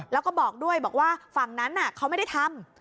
แล้วก็บอกด้วยบอกว่าฝั่งนั้นเขาไม่ได้ทำ